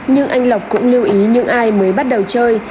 nhưng anh lộc cũng lưu ý những ai mới bắt đầu chơi